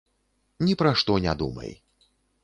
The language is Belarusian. Ні пра што не думай.